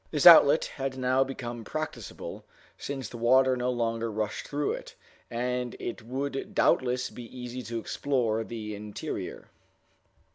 This outlet had now become practicable, since the water no longer rushed through it, and it would doubtless be easy to explore the interior.